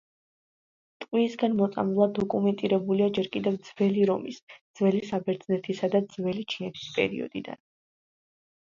ტყვიისგან მოწამვლა დოკუმენტირებულია ჯერ კიდევ ძველი რომის, ძველი საბერძნეთისა და ძველი ჩინეთის პერიოდიდან.